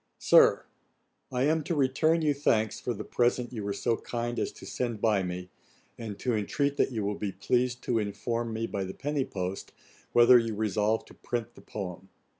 SIR, 'I am to return you thanks for the present you were so kind as to send by me, and to intreat that you will be pleased to inform me by the penny post, whether you resolve to print the poem.